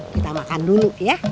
kita makan dulu ya